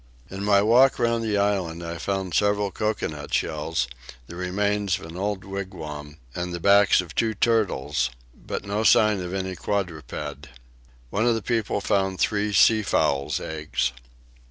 In my walk round the island I found several coconut shells, the remains of an old wigwam, and the backs of two turtles, but no sign of any quadruped. One of the people found three seafowl's eggs.